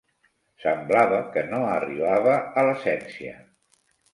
Semblava que no arribava a l"essència.